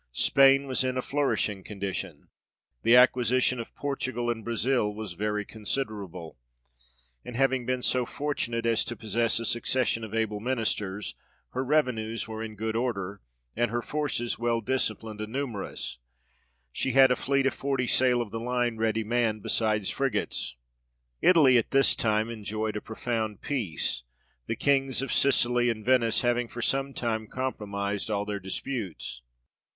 Spain was in a flourishing condition ; the acquisition of Portugal and Brazil was very considerable ; and having been so fortunate as to possess a succession of able ministers, her revenues were in good order, and her forces well disciplined and numerous : she had a fleet of forty sail of the line ready manned, besides frigates. Italy at this time enjoyed a profound peace, the Kings of Sicily and Venice having for some time compromised 64 THE REIGN OF GEORGE VI. all their disputes.